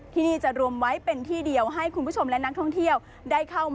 ที่นี่จะรวมไว้เป็นที่เดียวให้คุณผู้ชมและนักท่องเที่ยวได้เข้ามา